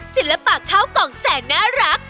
ศิลปะข้าวกล่องแสนน่ารัก